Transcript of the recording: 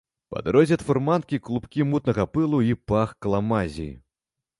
Па дарозе ад фурманкі клубкі мутнага пылу і пах каламазі.